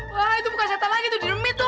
wah itu bukan setan lagi itu di remit lo